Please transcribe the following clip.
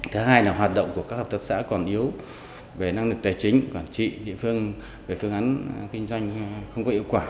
thứ hai là hoạt động của các hợp tác xã còn yếu về năng lực tài chính quản trị địa phương về phương án kinh doanh không có hiệu quả